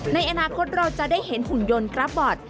ในอนาคตเราจะได้เห็นหุ่นยนต์กราฟบอร์ด